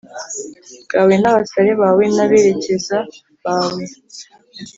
bwawe n abasare bawe n aberekeza bawe